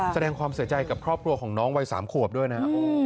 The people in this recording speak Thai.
แสดงความเสียใจกับครอบครัวของน้องวัย๓ขวบด้วยนะ